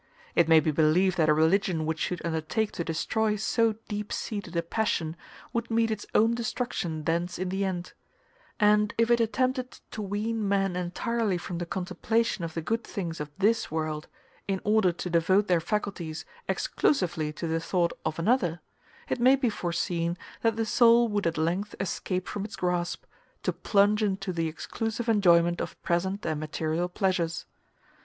It may be believed that a religion which should undertake to destroy so deep seated a passion, would meet its own destruction thence in the end; and if it attempted to wean men entirely from the contemplation of the good things of this world, in order to devote their faculties exclusively to the thought of another, it may be foreseen that the soul would at length escape from its grasp, to plunge into the exclusive enjoyment of present and material pleasures.